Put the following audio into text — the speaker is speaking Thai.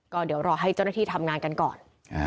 ก็เดี๋ยวรอให้เจ้าหน้าที่ทำงานกันก่อน